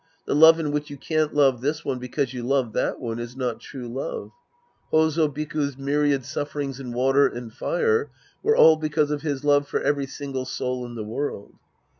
The love in which you can't love this one because you love that one is not true love. H6z5 Biku's myriad sufferings in v/ater and fire were all because of his love for every single soul in the world.